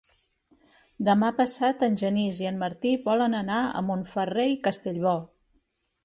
Demà passat en Genís i en Martí volen anar a Montferrer i Castellbò.